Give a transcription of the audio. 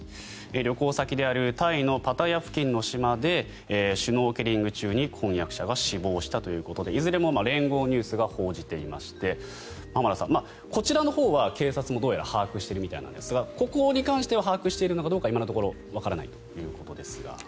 旅行先であるタイのパタヤ付近の島でシュノーケリング中に婚約者が死亡したということでいずれも連合ニュースが報じていまして浜田さん、こちらのほうはどうやら警察も把握しているそうなんですがここに関しては把握しているのかどうか今のところわからないということですが。